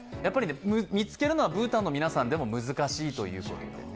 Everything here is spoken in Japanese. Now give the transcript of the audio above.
見つけるのはブータンの皆さんでも難しいということでね。